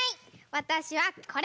わたしはこれ！